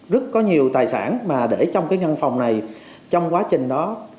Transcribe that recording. rất có nhiều tài sản mà để trong cái ngân phòng này trong quá trình đó